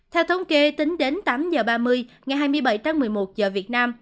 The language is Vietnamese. theo thống kê tính đến tám h ba mươi ngày hai mươi bảy tháng một mươi một giờ việt nam